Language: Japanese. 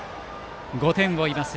５点を追います